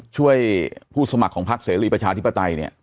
ผู้สมัครของพักเสรีประชาธิปไตยเนี่ย